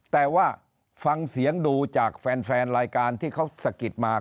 แต่ว่าฟังเสียงดูจากแฟนรายการที่เขาสะกิดมา